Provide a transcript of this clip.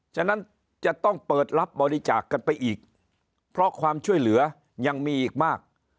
ฉะนั้นจะต้องเปิดรับบริจาคกันไปอีกเพราะความช่วยเหลือยังมีอีกมาก